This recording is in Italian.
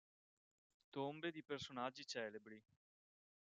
Tombe di personaggi celebri